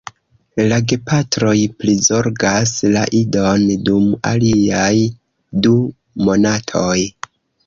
La gepatroj prizorgas la idon dum aliaj du monatoj.